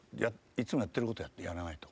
いつもやってることやらないと。